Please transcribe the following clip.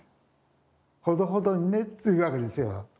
ほどほどにね」って言うわけですよ。